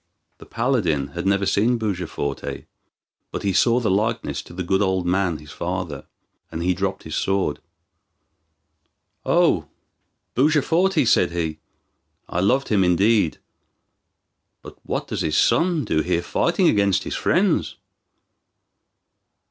The paladin had never seen Bujaforte, but he saw the likeness to the good old man, his father, and he dropped his sword. "O Bujaforte," said he, "I loved him indeed; but what does his son do here fighting against his friends?"